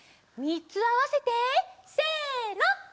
みっつあわせてせの！